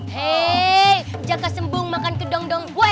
hei jaka sembung makan kedong dong